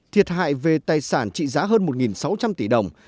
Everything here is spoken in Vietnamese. thiệt hại về tài sản trị giá hơn một sáu trăm linh tỷ đồng